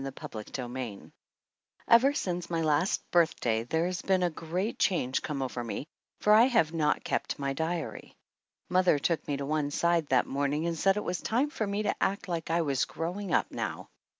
139 CHAPTER VIII EVER since my last birthday there has a great change come over me for I have not kept my diary. Mother took me to one side that morning and said it was time for me to act like I was growing up now.